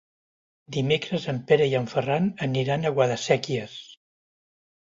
Dimecres en Pere i en Ferran aniran a Guadasséquies.